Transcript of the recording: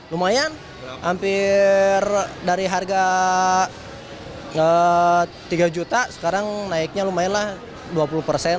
lumayan hampir dari harga tiga juta sekarang naiknya lumayan lah dua puluh persen